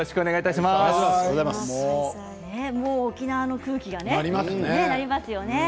沖縄の空気がありますよね。